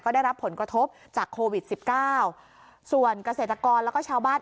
ได้รับผลกระทบจากโควิดสิบเก้าส่วนเกษตรกรแล้วก็ชาวบ้าน